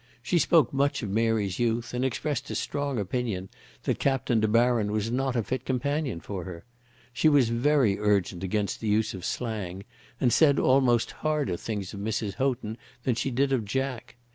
She spoke much of Mary's youth, and expressed a strong opinion that Captain De Baron was not a fit companion for her. She was very urgent against the use of slang, and said almost harder things of Mrs. Houghton than she did of Jack.